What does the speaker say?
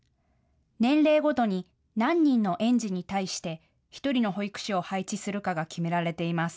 年齢ごとに何人の園児に対して１人の保育士を配置するかが決められています。